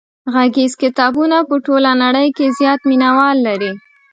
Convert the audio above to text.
غږیز کتابونه په ټوله نړۍ کې زیات مینوال لري.